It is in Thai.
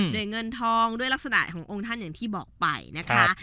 เงินทองด้วยลักษณะขององค์ท่านอย่างที่บอกไปนะคะ